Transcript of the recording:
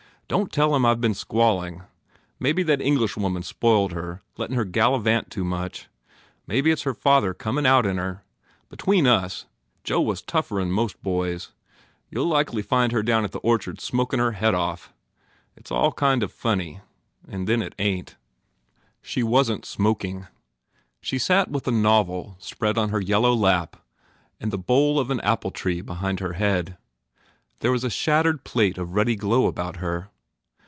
Don t tell him I ve been squalling. Mebbe that Englishwoman spoiled her, lettin her gallivant too much. Mebbe it s her father comin out in her. Be tween us, Joe was tougher n most boys. You ll likely find her down in the orchard smokin her head off. It s all kind of funny ... and then It ain t." 1 66 GURDY She wasn t smoking. She sat with a novel spread on her yellow lap and the bole of an apple tree behind her head. There was a shattered plate of ruddy glow about her.